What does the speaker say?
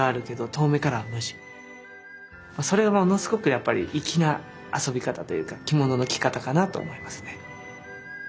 それがものすごくやっぱり粋な遊び方というか着物の着方かなと思いますね。